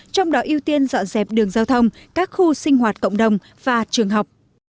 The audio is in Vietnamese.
trong đó ưu tiên dọn dẹp đường giao thông các khu sinh hoạt cộng đồng và trường học